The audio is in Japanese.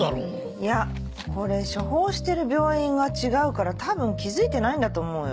いやこれ処方してる病院が違うから多分気付いてないんだと思うよ。